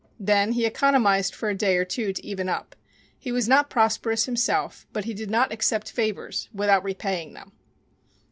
Then he economized for a day or two to even up. He was not prosperous himself, but he did not accept favors without repaying them.